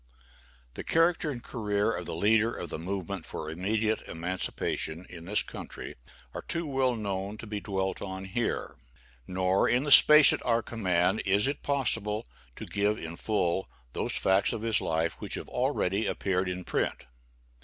The character and career of the leader of the movement for immediate emancipation in this country, are too well known to be dwelt on here; nor, in the space at our command, is it possible to give in full those facts of his life which have already appeared in print.